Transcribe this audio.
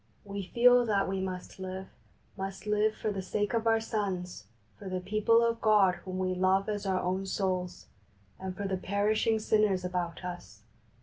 We feel that we must live, must live for the sake of our sons, for the people of God whom we love as our own souls, and for the perishing sinners about us.